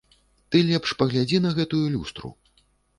Ты лепш паглядзі на гэтую люстру.